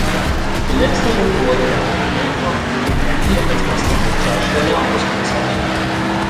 Für letztere wurde er mehrfach mit dem Emmy als bester Hauptdarsteller ausgezeichnet.